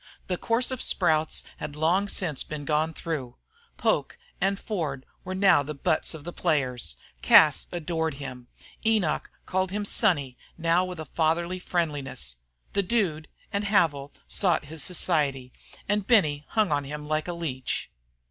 The "course of sprouts" had long since been gone through. Poke and Ford were now the butts of the players. Cas adored him, Enoch called him "Sonny," now with fatherly friendliness, the Dude and Havil sought his society, and Benny hung to him like a leech.